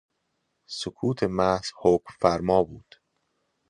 سکوت محض حکم فرما بود